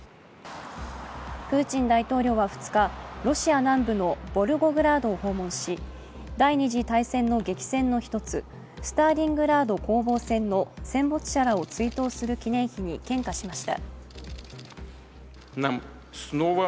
プーチン大統領は２日、ロシア南部のボルゴグラードを訪問し激戦の一つ、スターリングラード攻防戦の戦没者らを追悼する記念碑に献花しました。